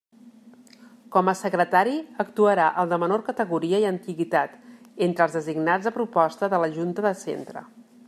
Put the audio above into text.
Com a secretari actuarà el de menor categoria i antiguitat entre els designats a proposta de la junta de centre.